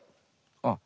あっ。